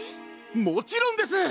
もちろんです！